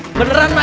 mak beneran mak